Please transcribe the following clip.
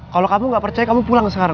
kalau kamu gak percaya kamu pulang sekarang